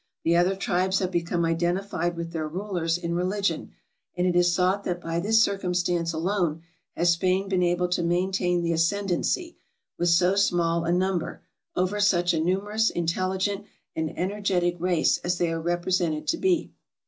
The other tribes have become identified with their rulers in religion, and it is thought that by this circumstance alone has Spain been able to maintain the ascendency, with so small a number, over such a numerous, intelligent, and en ergetic race as they are represented to be.